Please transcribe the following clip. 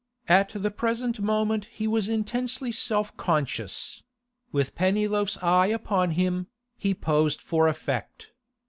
At the present moment he was intensely self conscious; with Pennyloaf's eye upon him, he posed for effect.